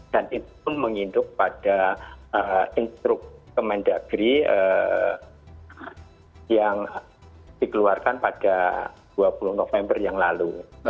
dan itu pun mengintuk pada instruk kemandagri yang dikeluarkan pada dua puluh november yang lalu